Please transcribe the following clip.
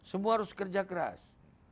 semua harus kerja keras